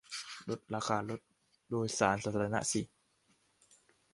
ลดราคารถโดยสารสาธารณะสิ